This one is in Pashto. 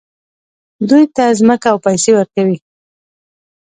دوی ته ځمکه او پیسې ورکوي.